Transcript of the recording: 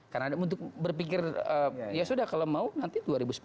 karena ada untuk berpikir ya sudah kalau mau nanti dua ribu sembilan belas